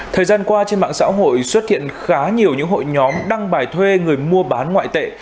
thời gian qua trên mạng xã hội xuất hiện khá nhiều những hội nhóm đăng bài thuê người mua bán ngoại tệ